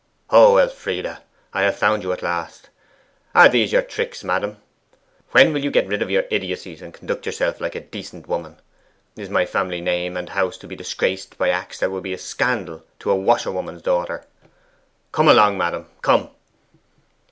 'O Elfride! and have I found you at last? Are these your tricks, madam? When will you get rid of your idiocies, and conduct yourself like a decent woman? Is my family name and house to be disgraced by acts that would be a scandal to a washerwoman's daughter? Come along, madam; come!